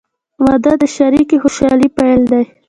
• واده د شریکې خوشحالۍ پیل دی.